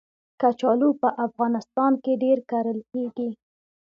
کچالو په افغانستان کې ډېر کرل کېږي